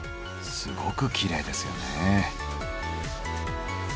すごくきれいですよね。